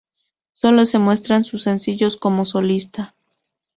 Sólo se muestran sus sencillos como solista.